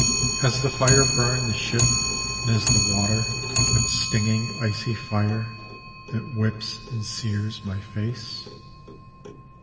Has the fire burned the ship and is the water But stinging icy fire, That whips and sears my face?